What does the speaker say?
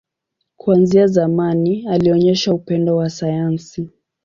Kuanzia zamani, alionyesha upendo wa sayansi.